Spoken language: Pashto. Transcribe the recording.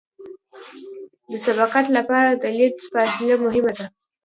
د سبقت لپاره د لید فاصله مهمه ده